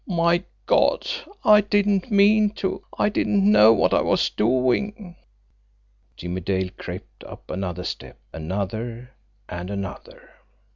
My God, I didn't mean to I didn't know what I was doing!" Jimmie Dale crept up another step, another, and another.